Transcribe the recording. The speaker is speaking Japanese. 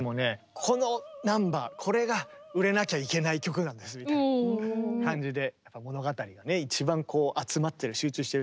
このナンバーこれが売れなきゃいけない曲なんですみたいな感じで。